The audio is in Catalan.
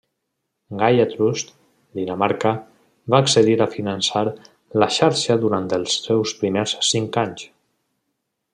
Gaia Trust, Dinamarca, va accedir a finançar la xarxa durant els seus primers cinc anys.